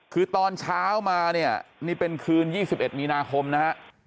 คือตอนเช้ามาเนี่ยนี่เป็นคืน๒๑มีนาคมนะฮะ